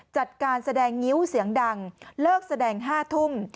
จัดการแสดงงิ้วเสียงดังเลิกแสดง๕ทุ่ม